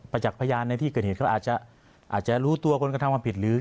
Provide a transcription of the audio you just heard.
จักษ์พยานในที่เกิดเหตุเขาอาจจะรู้ตัวคนกระทำความผิดหรือ